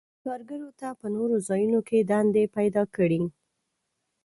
کارګرو ته په نورو ځایونو کې دندې پیداکړي.